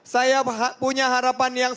saya punya harapan yang